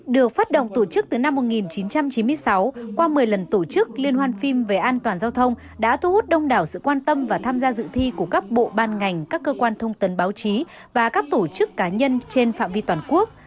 được phát động tổ chức từ năm một nghìn chín trăm chín mươi sáu qua một mươi lần tổ chức liên hoan phim về an toàn giao thông đã thu hút đông đảo sự quan tâm và tham gia dự thi của các bộ ban ngành các cơ quan thông tấn báo chí và các tổ chức cá nhân trên phạm vi toàn quốc